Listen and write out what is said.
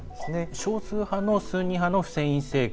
少数派のスンニ派のフセイン政権。